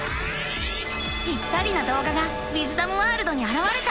ぴったりなどうががウィズダムワールドにあらわれた。